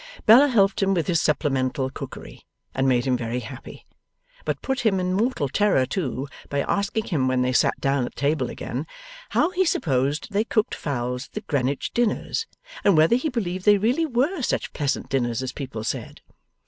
Bella helped him with his supplemental cookery, and made him very happy, but put him in mortal terror too by asking him when they sat down at table again, how he supposed they cooked fowls at the Greenwich dinners, and whether he believed they really were such pleasant dinners as people said?